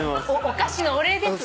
お菓子のお礼です。